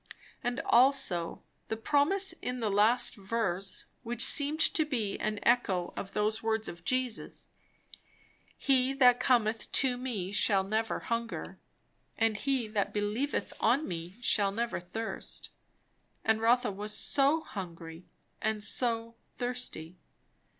And also the promise in the last verse, which seemed to be an echo of those words of Jesus "He that cometh to me shall never hunger, and he that believeth on me shall never thirst." And Rotha was so hungry, and so thirsty!